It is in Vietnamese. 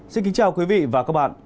xin kính chào quý vị và các bạn